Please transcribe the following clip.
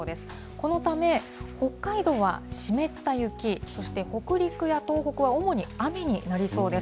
このため、北海道は湿った雪、そして北陸や東北は主に雨になりそうです。